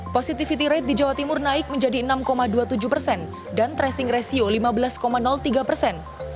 positivity rate di jawa timur naik menjadi enam dua puluh tujuh persen dan tracing ratio lima belas tiga persen